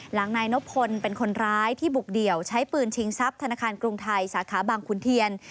นายนพลเป็นคนร้ายที่บุกเดี่ยวใช้ปืนชิงทรัพย์ธนาคารกรุงไทยสาขาบางขุนเทียน